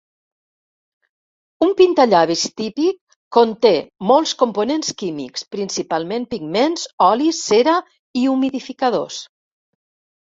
Un pintallavis típic conté molts components químics, principalment pigments, olis, cera i humidificadors.